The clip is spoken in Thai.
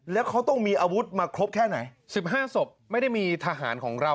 แล้วเขาต้องมีอาวุธมาครบแค่ไหน๑๕ศพไม่ได้มีทหารของเรา